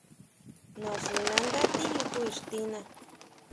Naxinándá tiyuju ixtiná.